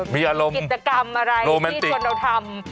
มีอารมณ์โรแมนติกกิจกรรมอะไรที่ต้องเราทำ